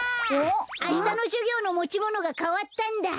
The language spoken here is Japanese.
あしたのじゅぎょうのもちものがかわったんだ。